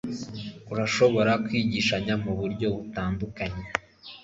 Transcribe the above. urashobora kwigishanya muburyo butandukanye